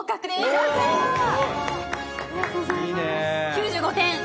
９５点。